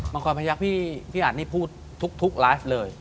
มังกรพยักษ์พี่อาจนี่พูดทุกลายฟเลย